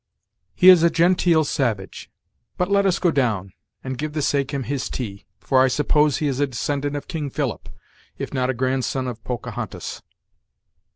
"He is a genteel savage; but let us go down, and give the sachem his tea; for I suppose he is a descendant of King Philip, if not a grandson of Pocahontas."